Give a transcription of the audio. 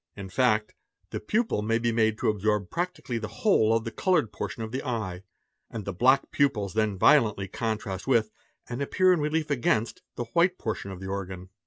In fact, the pupil may be made to absorb practically the whole of the coloured portion of : the eye, and the black pupils then violently contrast with, and appear in _ relief against, the white portion of the organ.